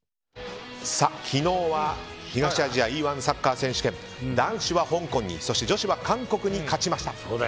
昨日は東アジアＥ‐１サッカー選手権男子は香港にそして女子は韓国に勝ちました。